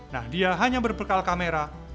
nahdia hanya berpekal kamera